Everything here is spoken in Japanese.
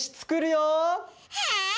はい！